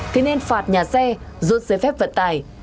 thì nên phạt nhà xe rút giới phép vận tài